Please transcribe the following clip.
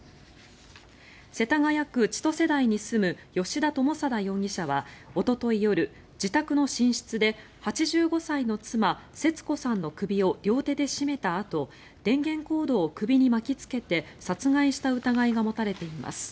世田谷区千歳台に住む吉田友貞容疑者は、おととい夜自宅の寝室で８５歳の妻・節子さんの首を両手で絞めたあと電源コードを首に巻きつけて殺害した疑いが持たれています。